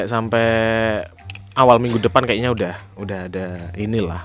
sampai awal minggu depan kayaknya udah ada ini lah